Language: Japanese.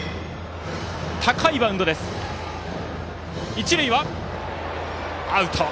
一塁はアウト！